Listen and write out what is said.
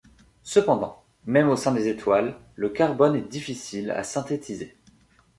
Cependant, même au sein des étoiles, le carbone est difficile à synthétiser.